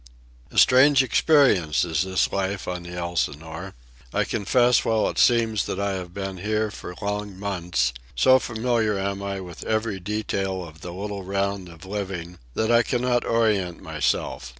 A strange experience is this life on the Elsinore. I confess, while it seems that I have been here for long months, so familiar am I with every detail of the little round of living, that I cannot orient myself.